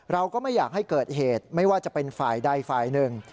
เราก็ไม่อยากให้เกิดเหตุไม่ว่าจะเป็นฝ่ายใดฝ่ายหนึ่ง